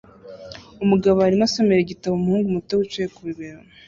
Umugabo arimo asomera igitabo umuhungu muto wicaye ku bibero